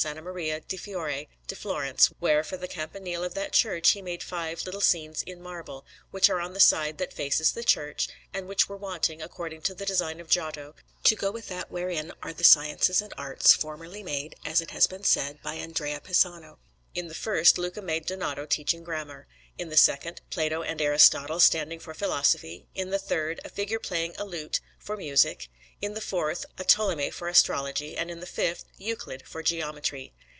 Maria del Fiore to Florence, where, for the campanile of that church, he made five little scenes in marble, which are on the side that faces the church, and which were wanting, according to the design of Giotto, to go with that wherein are the Sciences and Arts, formerly made, as it has been said, by Andrea Pisano. In the first Luca made Donato teaching grammar; in the second, Plato and Aristotle, standing for philosophy; in the third, a figure playing a lute, for music; in the fourth, a Ptolemy, for astrology; and in the fifth, Euclid, for geometry.